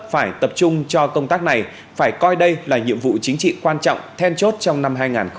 phải tập trung cho công tác này phải coi đây là nhiệm vụ chính trị quan trọng then chốt trong năm hai nghìn hai mươi